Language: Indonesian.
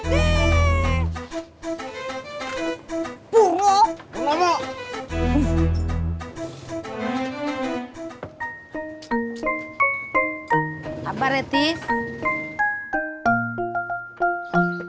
bawakan udah tech mes allein ber linking kan sure tanknya seratus